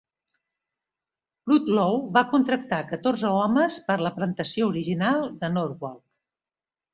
Ludlow va contractar catorze homes per a la plantació original de Norwalk.